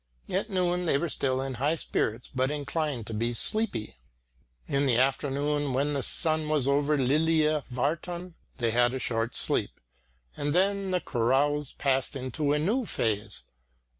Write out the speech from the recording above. At noon they were still in high spirits but inclined to be sleepy. In the afternoon when the sun was over Lilia Värtan they had a short sleep, and then the carouse passed into a new phase.